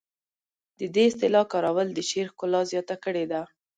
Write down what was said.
د دې اصطلاح کارول د شعر ښکلا زیاته کړې ده